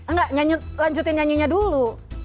nggak lanjutin nyanyinya dulu